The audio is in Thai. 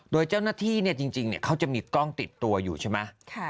โดยเจ้าหน้าที่จริงเขาจะมีกล้องติดตัวอยู่ใช่ไหม